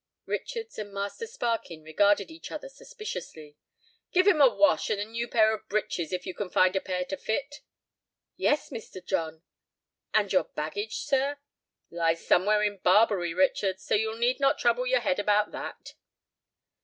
Richards and Master Sparkin regarded each other suspiciously. "Give him a wash, and a new pair of breeches, if you can find a pair to fit." "Yes, Mr. John; and your baggage, sir?" "Lies somewhere in Barbary, Richards, so you need not trouble your head about that."